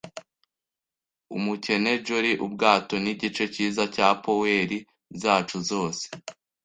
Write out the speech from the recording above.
umukene jolly-ubwato nigice cyiza cya poweri zacu zose.